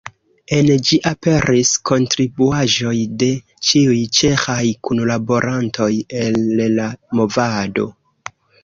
En ĝi aperis kontribuaĵoj de ĉiuj ĉeĥaj kunlaborantoj el la movado.